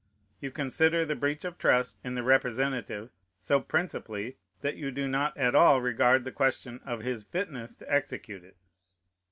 You consider the breach of trust in the representative so principally that you do not at all regard the question of his fitness to execute it.